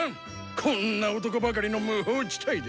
こんな男ばかりの無法地帯で！